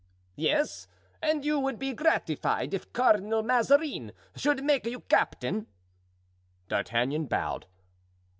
"Yes, and you would be gratified if Cardinal Mazarin should make you captain." D'Artagnan bowed.